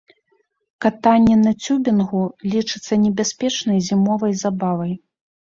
Катанне на цюбінгу лічыцца небяспечнай зімовай забавай.